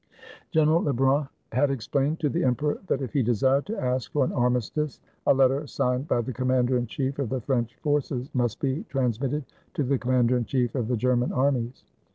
General Lebrun had explained to the emperor that if he desired to ask for an armistice, a letter signed by the commander in chief of the French forces must be trans mitted to the commander in chief of the German armies.